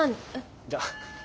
じゃあ。